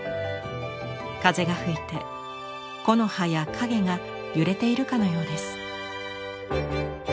風が吹いて木の葉や影が揺れているかのようです。